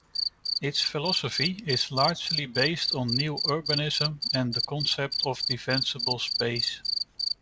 Its philosophy is largely based on New Urbanism and the concept of Defensible space.